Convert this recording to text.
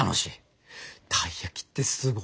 たい焼きってすごいな。